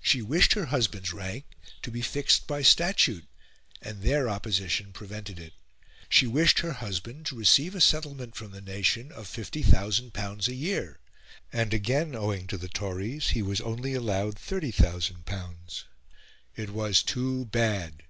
She wished her husband's rank to be axed by statute, and their opposition prevented it. She wished her husband to receive a settlement from the nation of L50,000 a year; and, again owing to the Tories, he was only allowed L30,000. It was too bad.